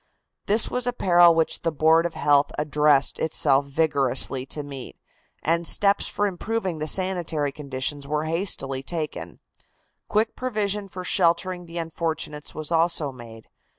This was a peril which the Board of Health addressed itself vigorously to meet, and steps for improving the sanitary conditions were hastily taken. Quick provision for sheltering the unfortunates was also made.